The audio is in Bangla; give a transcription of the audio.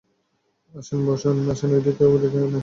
আসেন, আসেন ঐদিকে ও দেখে নিন।